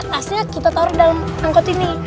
tasnya kita taruh dalam angkot ini